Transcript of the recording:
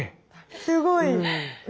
すごい。